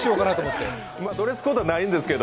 ドレスコードはないんですけど。